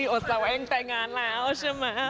โอซ่าว่าเองแต่งงานแล้วใช่ไหม